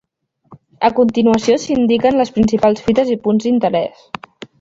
A continuació s'indiquen les principals fites i punts d'interès.